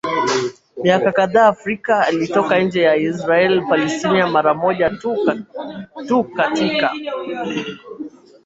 miaka kadhaa Afrika Alitoka nje ya Israeli Palestina mara moja tu katika